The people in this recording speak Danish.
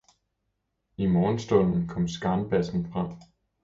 I morgenstunden kom skarnbassen frem.